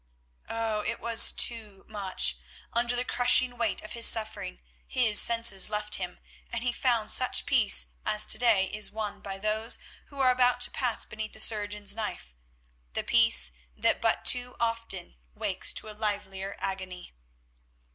Oh! it was too much. Under the crushing weight of his suffering, his senses left him, and he found such peace as to day is won by those who are about to pass beneath the surgeon's knife; the peace that but too often wakes to a livelier agony.